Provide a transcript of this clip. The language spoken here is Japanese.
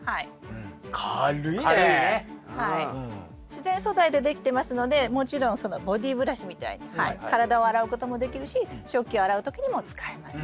自然素材でできてますのでもちろんそのボディーブラシみたいにはい体を洗うこともできるし食器を洗う時にも使えます。